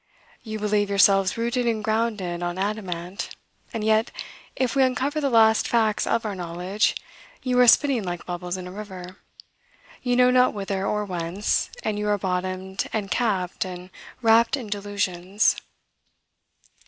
You believe yourselves rooted and grounded on adamant; and, yet, if we uncover the last facts of our knowledge, you are spinning like bubbles in a river, you know not whither or whence, and you are bottomed and capped and wrapped in delusions.